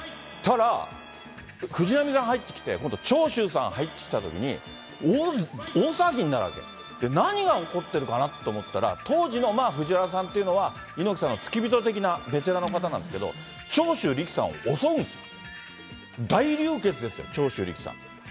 そしたら、藤波さん入ってきて、今度長州さん入ってきたときに、大騒ぎになって、何がおこってるかなって思ってたら、当時の藤波さんっていうのは、猪木さんの付き人的なベテランの方なんですけど、長州力さんを襲うんですよ。